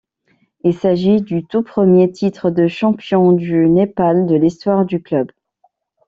Il s’agit du tout premier titre de champion du Népal de l'histoire du club.